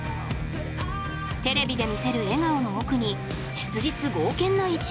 テレビで見せる笑顔の奥に質実剛健な一面も。